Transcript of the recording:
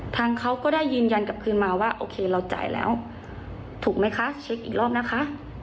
ทางเขาก็ได้ยืนยันกลับคืนมาว่าโอเคเราจ่ายแล้วถูกไหมคะเช็คอีกรอบนะคะ